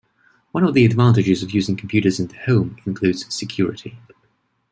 One of the advantages of using computers in the home includes security.